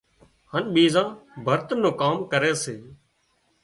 هانَ ٻيزان ڀرت نان ڪام ڪري سي